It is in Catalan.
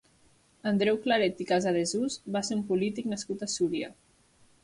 Andreu Claret i Casadessús va ser un polític nascut a Súria.